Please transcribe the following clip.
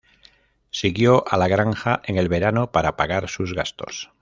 Siguió a la granja en el verano para pagar sus gastos.